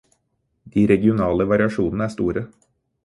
De regionale variasjonene er store.